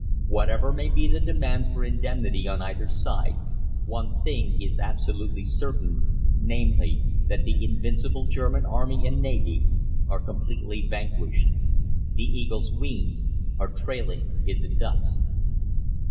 "Whatever may be the demands for indemnity on either side, one thing is absolutely certain, namely, that the invincible German Army and Navy are completely vanquished. The Eagle's wings are trailing in the dust."